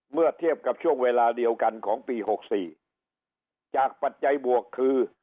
เมื่อเทียบกับช่วงเวลาเดียวกันของปี๖๔จากปัจจัยบวกคือ